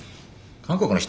韓国の人？